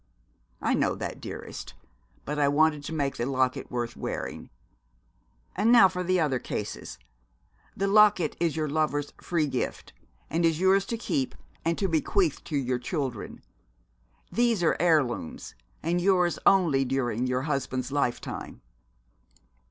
'I know that, dearest, but I wanted to make the locket worth wearing. And now for the other cases. The locket is your lover's free gift, and is yours to keep and to bequeath to your children. These are heirlooms, and yours only during your husband's lifetime.'